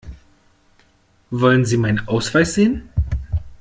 Wollen Sie meinen Ausweis sehen?